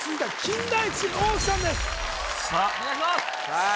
さあ